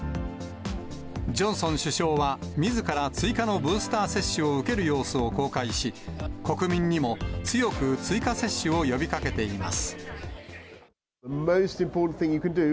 ジョンソン首相はみずから追加のブースター接種を受ける様子を公開し、国民にも強く追加接種を呼びかけています。